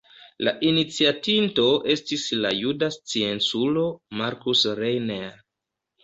La iniciatinto estis la juda scienculo Markus Reiner.